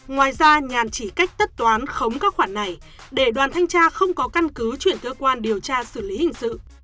ngoài ra nhàn chỉ cách tất toán khống các khoản này để đoàn thanh tra không có căn cứ chuyển cơ quan điều tra xử lý hình sự